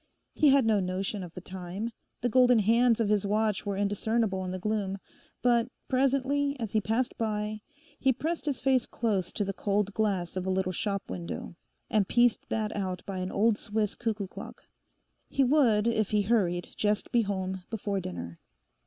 He had no notion of the time; the golden hands of his watch were indiscernible in the gloom. But presently, as he passed by, he pressed his face close to the cold glass of a little shop window, and pierced that out by an old Swiss cuckoo clock. He would if he hurried just be home before dinner.